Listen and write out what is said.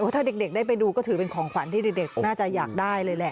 ถ้าเด็กได้ไปดูก็ถือเป็นของขวัญที่เด็กน่าจะอยากได้เลยแหละ